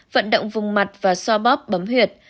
vận động vùng mặt và so bóp bấm huyệt